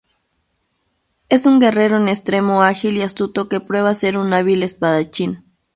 Es un guerrero en extremo ágil y astuto que prueba ser un hábil espadachín.